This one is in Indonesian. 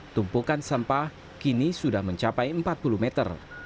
tumpukan sampah kini sudah mencapai empat puluh meter